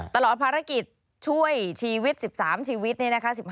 ตลอดภารกิจช่วยชีวิต๑๓ชีวิตนี่นะคะ